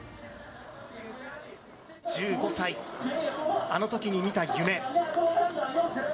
１５歳、あのときにみた夢。